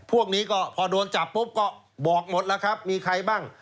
พวกนี้ก็พอโดนจับปุ๊บก็บอกหมดแล้วครับมีใครบ้าง